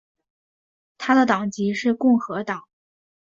他的党籍是共和党。